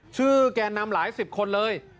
ชื่อแกนำหลายสิบคนเลย